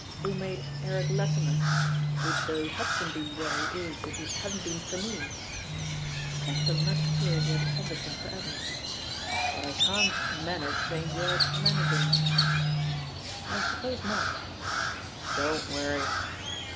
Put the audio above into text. "Who made Eric Lati mer? Would Billy Hudson be where he is if it hadn't been for me ?" Tatham much feared he had offended him for ever. "What I can't •manage' ain't worth managing." "I suppose not." "Don't worry."